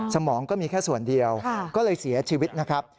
สมองก็มีแค่ส่วนเดียวก็เลยเสียชีวิตนะครับ